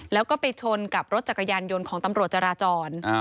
แล้วก็ไปชนกับรถจักรยานยนต์ของตำรวจจราจร